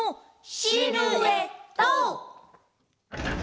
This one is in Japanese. シルエット！